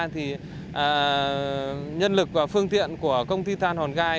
thì nhân lực và phương tiện của công ty than hòn gai